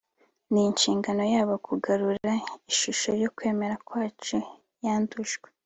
ni n’inshingano yabo kugarura ishusho yo kwemera kwacu yandujwe